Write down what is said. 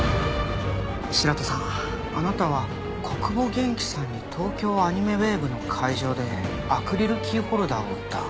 白土さんあなたは小久保元気さんに東京アニメウェーブの会場でアクリルキーホルダーを売った。